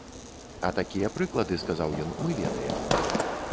А такія прыклады, сказаў ён, мы ведаем.